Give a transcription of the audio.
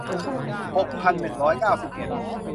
หกพันหนึ่งร้อยเก้าสิบเอ็ด